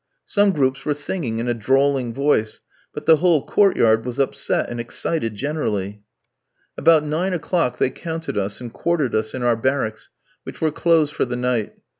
Some groups were singing in a drawling voice, but the whole court yard was upset and excited generally. About nine o'clock they counted us, and quartered us in our barracks, which were closed for the night.